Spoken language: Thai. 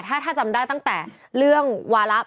ถ้าจำได้ตั้งแต่เรื่องวาระ